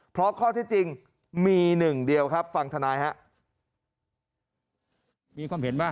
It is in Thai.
เพราะข้อที่จริงมีหนึ่งเดียวครับฟังทนายครับ